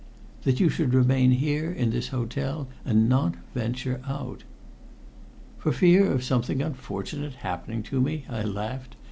"That you should remain here, in this hotel, and not venture out." "For fear of something unfortunate happening to me!" I laughed.